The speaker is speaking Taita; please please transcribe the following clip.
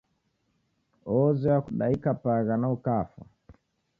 Oozoya kudaika pagha na ukafwa